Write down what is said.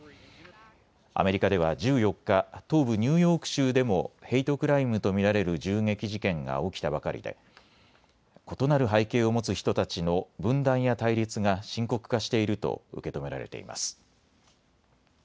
アメリカでは１４日、東部ニューヨーク州でもヘイトクライムと見られる銃撃事件が起きたばかりで異なる背景を持つ人たちの分断や対立が深刻化していると受け止められています。